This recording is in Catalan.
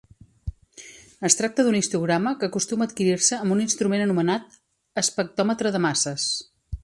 Es tracta d'un histograma que acostuma a adquirir-se amb un instrument anomenat espectròmetre de masses.